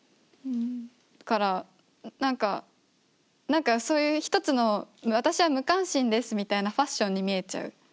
何か何かそういう一つの「私は無関心です」みたいなファッションに見えちゃう。